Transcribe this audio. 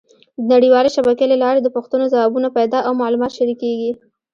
د نړیوالې شبکې له لارې د پوښتنو ځوابونه پیدا او معلومات شریکېږي.